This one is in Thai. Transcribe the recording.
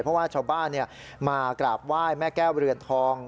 เพราะว่าชาวบ้านมากราบไหว้แม่แก้วเรือนทอง